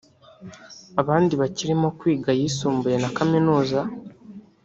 abandi bakirimo kwiga ayisumbuye na kaminuza